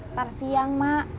ntar siang mak